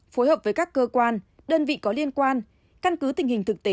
phối hợp với các cơ quan đơn vị có liên quan căn cứ tình hình thực tế